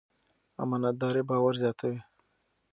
امانتداري باور زیاتوي.